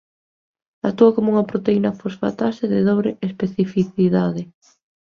Actúa como unha proteína fosfatase de dobre especificidade.